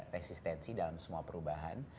resistensi dalam semua perubahan